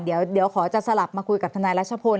เดี๋ยวขอจะสลับมาคุยกับทนายรัชพล